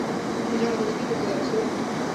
তুমি জনো তুমি কি করতে যাচ্ছ!